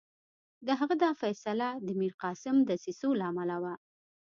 د هغه دا فیصله د میرقاسم دسیسو له امله وه.